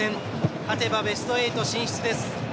勝てばベスト８進出です。